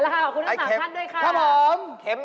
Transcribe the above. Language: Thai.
ละครับขอบคุณทั้ง๓ท่านด้วยค่ะคะครับผม